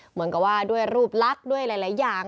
เหมือนกับด้วยรูปรักด้วยหลายอย่าง